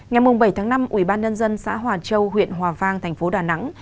ngày bảy tháng năm ủy ban nhân dân xã hòa châu huyện hòa vang tp đà nẵng